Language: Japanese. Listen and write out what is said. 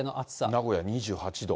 名古屋２８度。